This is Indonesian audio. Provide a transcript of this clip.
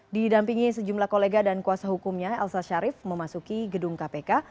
didampingi sejumlah kolega dan kuasa hukumnya elsa sharif memasuki gedung kpk